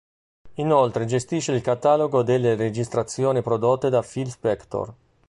Inoltre gestisce il catalogo delle registrazioni prodotte da Phil Spector.